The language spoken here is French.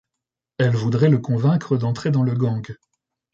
Elle voudrait le convaincre d'entrer dans le gang.